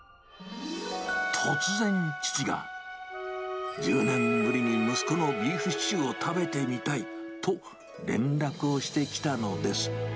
突然、父が、１０年ぶりに息子のビーフシチューを食べてみたいと、連絡をしてきたのです。